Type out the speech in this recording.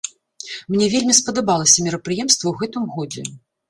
Мне вельмі спадабалася мерапрыемства ў гэтым годзе.